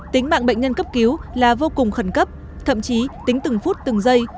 tính mạng bệnh nhân cấp cứu là vô cùng khẩn cấp thậm chí tính từng phút từng giây